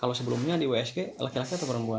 kalau sebelumnya di usg laki laki atau perempuan